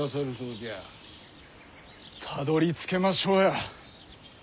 たどりつけましょうや。